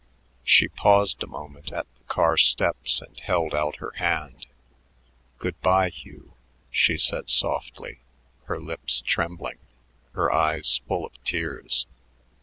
She paused a moment at the car steps and held out her hand. "Good by, Hugh," she said softly, her lips trembling, her eyes full of tears.